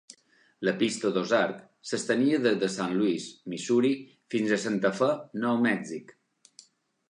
La pista d'Ozark s'estenia des de Sant Louis, Missouri, fins a Santa Fe, Nou Mèxic.